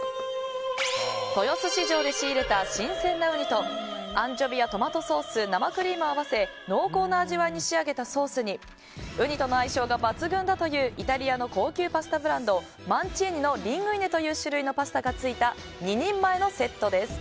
豊洲市場で仕入れた新鮮なウニとアンチョビやトマトソース生クリームを合わせ濃厚な味わいに仕上げたソースにウニとの相性が抜群だというイタリアの高級パスタブランドマンチーニのリングイネという種類のパスタがついた２人前のセットです。